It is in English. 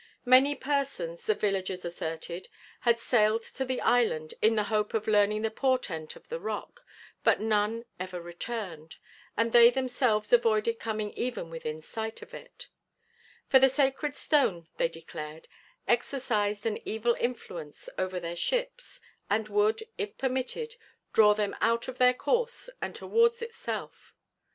Many persons, the villagers asserted, had sailed to the island in the hope of learning the portent of the rock, but none ever returned, and they themselves avoided coming even within sight of it; for the sacred stone, they declared, exercised an evil influence over their ships, and would, if permitted, draw them out of their course and towards itself.